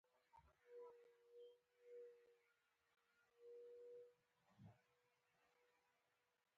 د سايکل ښکر کاژه دي